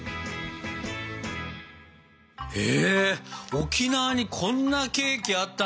沖縄にこんなケーキあったんだね。